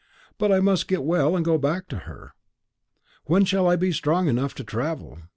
I must get well and go back to her. When shall I be strong enough to travel?